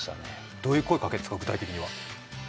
どういう声をかけるんですか、具体的には。